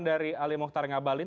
dari ali mohtar ngabalin